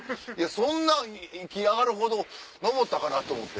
そんな息上がるほど上ったかな？と思って。